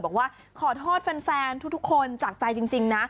บอกว่าขอโทษแฟนทุกคนจากใจจริงนะ